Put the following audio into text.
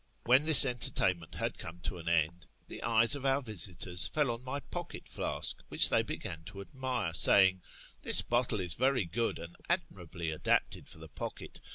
When this entertainment had come to an end, the eyes of our visitors fell on my pocket flask, which they began to admire, saying, " This bottle is very good, and admirably adapted for the pocket